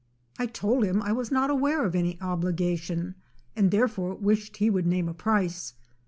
I told him I was not aware of any obligation; and, therefore, wished he would name a price.